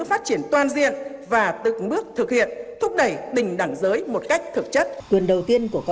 phát triển toàn diện và từng bước thực hiện